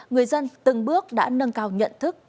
người dân từng bước đã nâng cao nhận thức